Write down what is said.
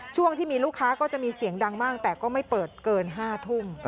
ช่วงที่มีลูกค้าก็จะมีเสียงดังมากแต่ก็ไม่เปิดเกิน๕ทุ่ม